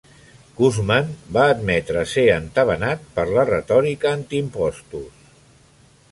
Koosman va admetre ser "entabanat" per la retòrica antiimpostos.